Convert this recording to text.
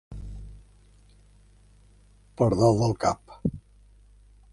Per dalt del cap.